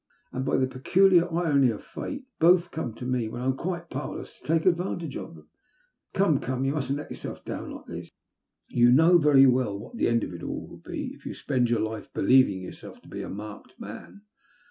And, by the peculiar irony ol fate, both come to me when I am quite powerless to take advantage of them." *' Come, come, you mustn't lei yourself down like this. You know very well what the end of it all will be, if you spend your life believing yourself to be a marked man."